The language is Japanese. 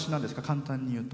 簡単に言うと。